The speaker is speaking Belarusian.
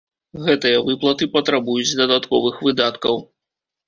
Гэтыя выплаты патрабуюць дадатковых выдаткаў.